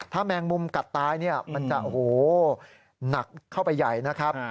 ถ้าแมงมุมกัดตายเนี่ยมันจะโอ้โหหนักเข้าไปใหญ่นะครับ